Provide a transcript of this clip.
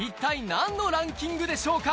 何のランキングでしょうか？